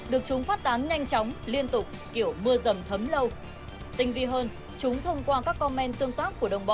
được chúng phát tán nhanh chóng liên tục kiểu mưa rầm thấm lâu